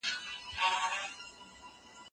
آیا د پلار سیوری تر بل سیوري لوی دی؟